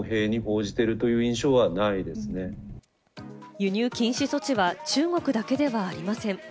輸入禁止措置は中国だけではありません。